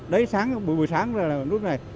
đấy sáng buổi sáng là nút này